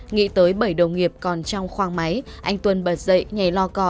nghĩ tới bảy đồng nghiệp còn trong khoang máy anh tuân bật dậy nhảy lo co